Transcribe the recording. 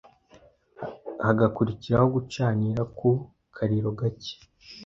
hagakurikiraho gucanira ku kariro gacye,